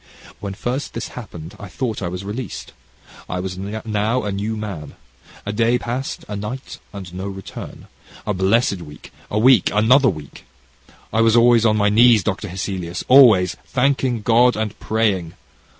"When first this happened, I thought I was released. I was now a new man. A day passed a night and no return, and a blessed week a week another week. I was always on my knees, Dr. Hesselius, always, thanking God and praying.